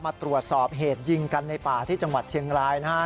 มาตรวจสอบเหตุยิงกันในป่าที่จังหวัดเชียงรายนะฮะ